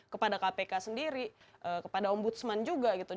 kepada kpk sendiri kepada om budsman juga gitu